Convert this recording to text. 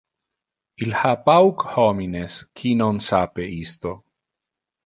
Il ha pauc homines qui non sape isto.